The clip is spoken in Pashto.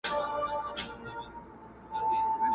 له لېوه څخه پسه نه پیدا کیږي؛